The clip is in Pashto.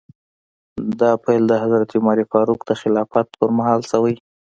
دا پیل د حضرت عمر فاروق د خلافت په مهال شوی.